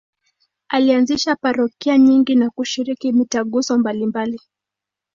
Alianzisha parokia nyingi na kushiriki mitaguso mbalimbali.